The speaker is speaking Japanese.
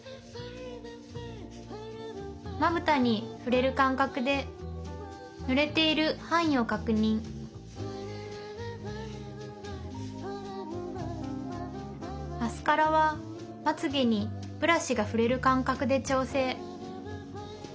まぶたに触れる感覚で塗れている範囲を確認マスカラはまつげにブラシが触れる感覚で調整。